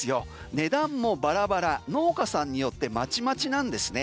値段もバラバラ農家さんによってまちまちなんですね。